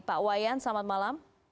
pak wayan selamat malam